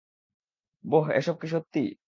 বোহ, এসব কি সত্যি?